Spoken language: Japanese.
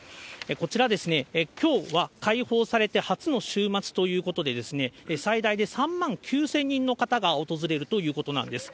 こちら、きょうは開放されて初の週末ということで、最大で３万９０００人の方が訪れるということなんです。